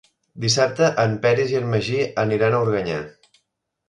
Dissabte en Peris i en Magí aniran a Organyà.